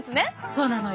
そうなのよ。